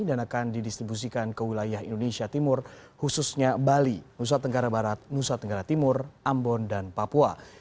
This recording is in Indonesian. dan akan didistribusikan ke wilayah indonesia timur khususnya bali nusa tenggara barat nusa tenggara timur ambon dan papua